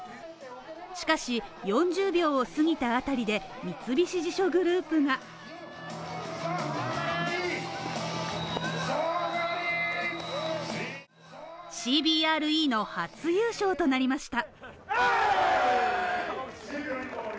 しかし、４０秒を過ぎたあたりで、三菱地所グループが、ＣＢＲＥの初優勝となりました。